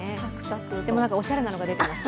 でもおしゃれなのが出てます。